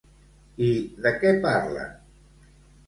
I de què parlen?